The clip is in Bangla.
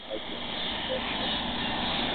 তাহলে শিকাগো থেকে আসা একজন উকিলকে আমাদের দরকার কেন?